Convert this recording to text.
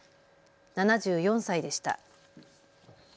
７４歳でした。